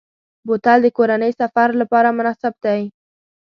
بوتل د کورنۍ سفر لپاره مناسب دی.